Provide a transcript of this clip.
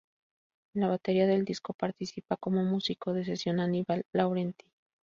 En la batería del disco participa como músico de sesión Anibal Laurenti.